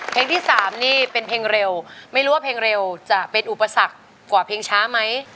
เพลงที่๓นี่เป็นเพลงเร็วไม่รู้ว่าเพลงเร็วจะเป็นอุปสรรคกว่าเพลงช้าไหม